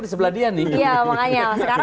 di sebelah dia nih iya makanya sekarang